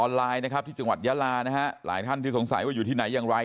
ไลน์นะครับที่จังหวัดยาลานะฮะหลายท่านที่สงสัยว่าอยู่ที่ไหนอย่างไร